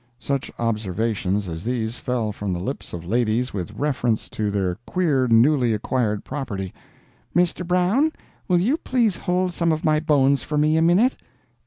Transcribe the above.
Such observations as these fell from the lips of ladies with reference to their queer newly acquired property: "Mr. Brown, will you please hold some of my bones for me a minute?"